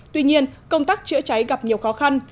tuy nhiên công tác chữa cháy gặp nhiều khó khăn